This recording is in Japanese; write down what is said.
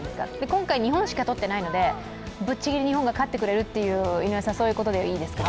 今回、日本しかとってないのでぶっちぎり日本が勝ってくれるという井上さん、そういうことでいいんですか？